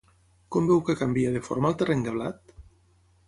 Com veu que canvia de forma el terreny de blat?